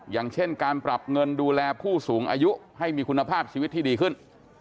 อย่างเช่นการปรับเงินดูแลผู้สูงอายุให้มีคุณภาพชีวิตที่ดีขึ้น